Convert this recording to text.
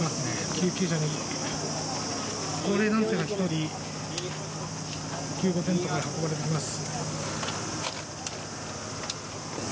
救急車に高齢男性が１人救護テントから運ばれてきます。